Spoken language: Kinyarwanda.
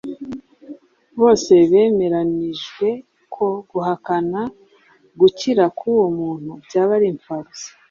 Bose bemeranyijwe ko guhakana gukira k’uwo muntu byaba ari imfabusa